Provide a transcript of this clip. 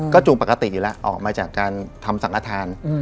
จูงปกติอยู่แล้วออกมาจากการทำสังฆฐาน